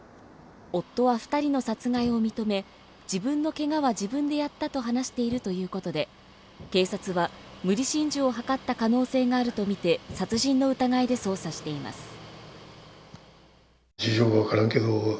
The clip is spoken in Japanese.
夫は２人の殺害を認め、自分のけがは自分でやったと話しているということで、警察は無理心中を図った可能性があるとみて殺人の疑いで捜査しています。